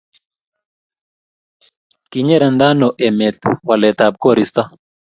kinyerantano emet waletab koristo?